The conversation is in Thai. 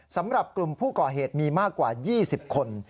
สำหรับกลุ่มผู้ก่อเหตุมีมากกว่า๒๐คน